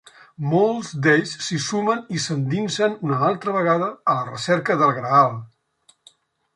Molts d'ells s'hi sumen i s'endinsen una altra vegada a la recerca del Graal.